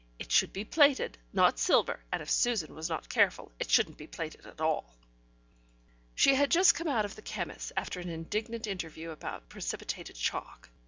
It should be plated, not silver, and if Susan was not careful, it shouldn't be plated at all. She had just come out of the chemist's, after an indignant interview about precipitated chalk.